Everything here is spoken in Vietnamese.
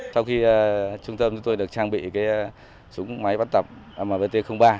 sau khi trung tâm chúng tôi được trang bị súng máy bắn tập mvt ba